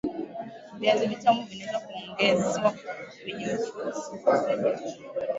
Viazi vitamu vinaweza Kuongezwa kwenye mchuzi